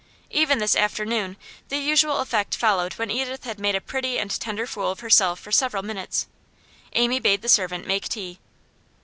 Even this afternoon the usual effect followed when Edith had made a pretty and tender fool of herself for several minutes. Amy bade the servant make tea.